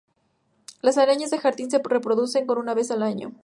Las arañas de jardín se reproducen una vez al año.